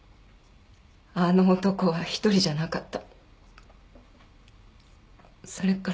あの男は一人じゃなかった。